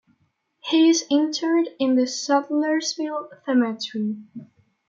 He is interred in Sudlersville Cemetery.